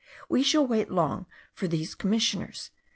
We shall wait long for these commissioners.